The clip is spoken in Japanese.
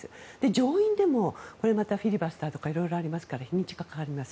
上院でもこれまたフィリバスターとか色々ありますから日にちが変わります。